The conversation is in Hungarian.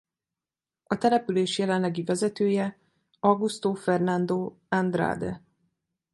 A település jelenlegi vezetője Augusto Fernando Andrade.